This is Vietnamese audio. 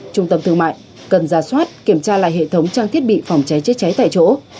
trung tâm thương mại cần ra soát kiểm tra lại hệ thống trang thiết bị phòng cháy chữa cháy tại chỗ